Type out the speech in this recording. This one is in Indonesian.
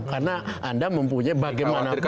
karena anda mempunyai bagaimanapun